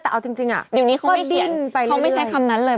แต่เอาจริงจริงอ่ะดีลวนี้เขาไม่เขียนไปเลยเขาไม่ใช้คำนั้นเลย